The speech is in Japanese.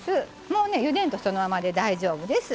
もうねゆでんとそのままで大丈夫です。